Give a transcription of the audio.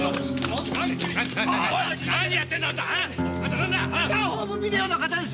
スターホームビデオの方です！